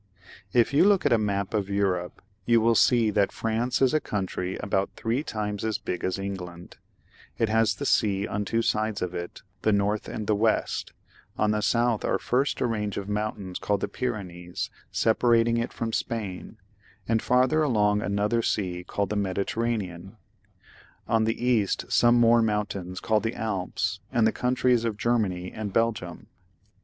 If you look at the map you will see that France is a country about three times as big as England ; it has the B 2 ANCIENT GA UL. [CH. sea on two sides of it, the north and the west ; on the south are first a range of mountains called the Pyrenees, separating it from Spain, and farther along another sea called the Mediterranean ; on the east some more moun tains caUed the Alps, Germany, and Belgium.